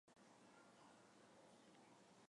每集十篇共六十篇。